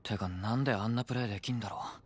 んであんなプレーできんだろ？